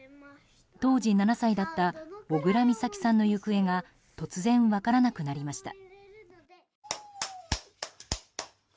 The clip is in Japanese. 当時７歳だった小倉美咲さんの行方が突然分からなくなりました。